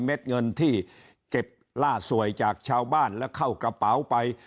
เด็ดเงินที่เก็บล่าสวยจากชาวบ้านและเข้ากระเป๋าไป